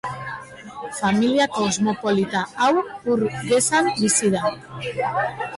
Familia kosmopolita hau ur gezan bizi da.